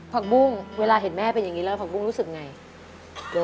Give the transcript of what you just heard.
ผักบุ้งเวลาเห็นแม่เป็นอย่างนี้แล้วผักบุ้งรู้สึกไง